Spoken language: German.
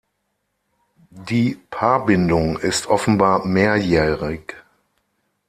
Die Paarbindung ist offenbar mehrjährig.